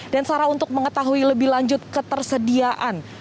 dan sarah untuk mengetahui lebih lanjut ketersediaan